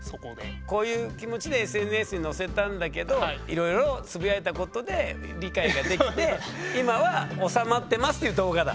こういう気持ちでＳＮＳに載せたんだけどいろいろつぶやいたことで理解ができて今は収まってますっていう動画だ。